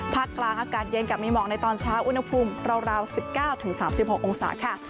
กลางอากาศเย็นกับมีหมอกในตอนเช้าอุณหภูมิราว๑๙๓๖องศาค่ะ